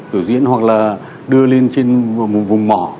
biểu diễn hoặc là đưa lên trên một vùng mỏ